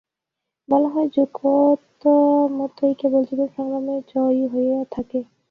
বলা হয়, যোগ্যতমই কেবল জীবনসংগ্রামে জয়ী হইয়া থাকে।